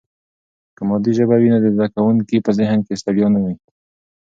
که مادي ژبه وي نو د زده کوونکي په ذهن کې ستړیا نه وي.